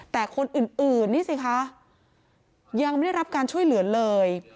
แต่คนอื่นนี่สิคะยังไม่ได้รับการช่วยเหลือเลย